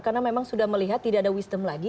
karena memang sudah melihat tidak ada wisdom lagi